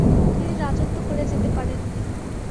তিনি রাজত্ব করে যেতে পারেননি।